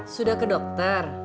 sudah ke dokter